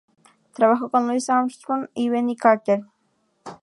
Trabajó con Louis Armstrong y Benny Carter.